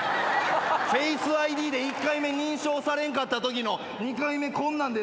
ＦａｃｅＩＤで１回目認証されんかったときの２回目こんなんでどう？